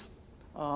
untuk mencoba untuk